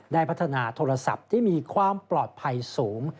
ได้พัฒนาโทรศัพท์ที่มีความปลอดภัยสูง